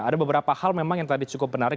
ada beberapa hal memang yang tadi cukup menarik